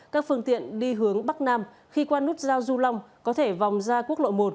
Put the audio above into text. các phương tiện đi hướng bắc nam khi qua nút giao du long có thể vòng ra quốc lộ một